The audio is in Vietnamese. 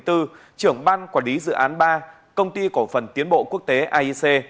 trưởng ban quản lý dự án ba công ty cổ phần tiến bộ quốc tế aic